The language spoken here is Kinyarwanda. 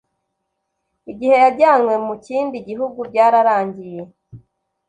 igihe yajyanywe mu kindi gihugu byararangiye